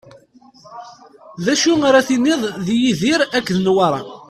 D acu ara tiniḍ di Yidir akked Newwara?